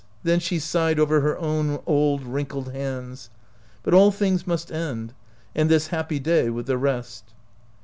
then she sighed over her own old wrinkled hands. But all things must end, and this happy day with the rest.